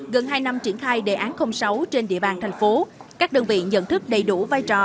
gần hai năm triển khai đề án sáu trên địa bàn thành phố các đơn vị nhận thức đầy đủ vai trò